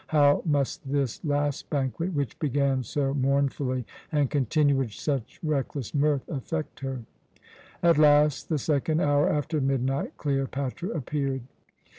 How must this last banquet, which began so mournfully and continued with such reckless mirth, affect her? At last, the second hour after midnight, Cleopatra appeared.